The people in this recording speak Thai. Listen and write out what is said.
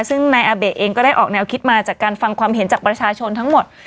ซึ่งนายอาเบะเองก็ได้ออกแนวคิดมาจากการฟังความเห็นจากประชาชนทั้งหมด